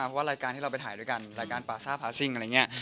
เพราะว่ารายการที่เราไปถ่ายด้วยกันรายการปาซ่าพาซิ่งอะไรอย่างนี้